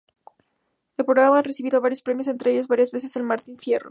El programa ha recibido varios premios entre ellos, varias veces el Martín Fierro.